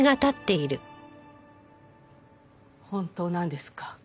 本当なんですか？